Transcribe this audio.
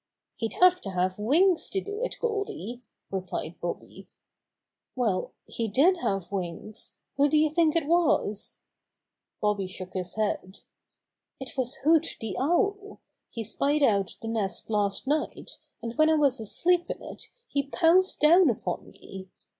"He'd have to have wings to do it, Goldy," replied Bobby. "Well, he did have wings. Who do you think it was?" Bobby shook his head. "It was Hoot the Owl. He spied out the nest last night, and when I w^as asleep in it he pounced down upon me.